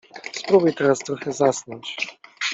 Spróbuj teraz trochę zasnąć!